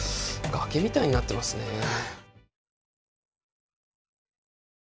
崖みたいになってますね。